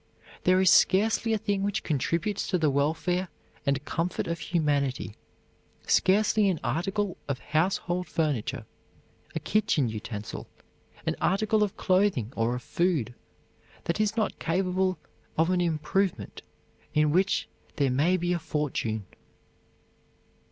There is scarcely a thing which contributes to the welfare and comfort of humanity, scarcely an article of household furniture, a kitchen utensil, an article of clothing or of food, that is not capable of an improvement in which there may be a fortune.